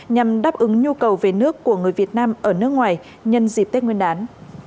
nhằm đáp ứng nhu cầu về nước của người việt nam ở nước ngoài nhân dịp tết nguyên đán